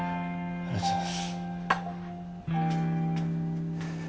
ありがとうございます